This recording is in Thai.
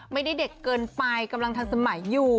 ไม่ได้เด็กเกินไปกำลังทันสมัยอยู่